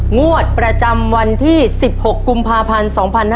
งวดประจำวันที่๑๖กุมภาพันธ์๒๕๕๙